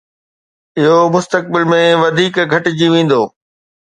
اهو مستقبل ۾ وڌيڪ گهٽجي ويندو